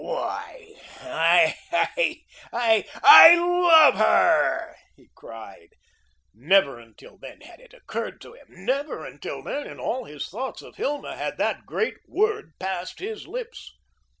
"Why I I, I LOVE her," he cried. Never until then had it occurred to him. Never until then, in all his thoughts of Hilma, had that great word passed his lips.